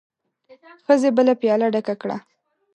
ښځې بله پياله ډکه کړه.